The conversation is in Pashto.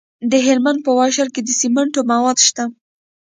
د هلمند په واشیر کې د سمنټو مواد شته.